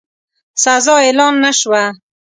سزا اعلان نه شوه.